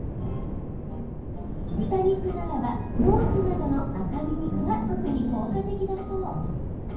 豚肉ならばロースなどの赤身肉が特に効果的だそう。